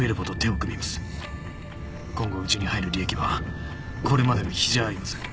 今後うちに入る利益はこれまでの比じゃありません。